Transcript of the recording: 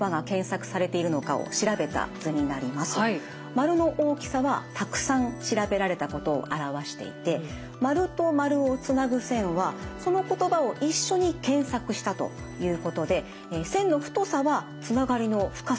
円の大きさはたくさん調べられたことを表していて円と円をつなぐ線はその言葉を一緒に検索したということで線の太さはつながりの深さを示しています。